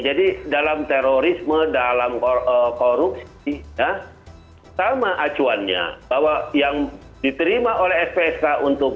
jadi dalam terorisme dalam korupsi sama acuannya bahwa yang diterima oleh lpsk untuk